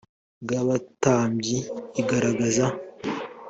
bw abatambyi igaragaza